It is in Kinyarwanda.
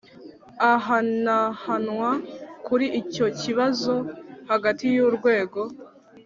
Ahanahanwa kuri icyo kibazo hagati y urwego